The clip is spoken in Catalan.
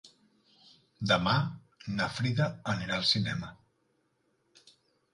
Demà na Frida anirà al cinema.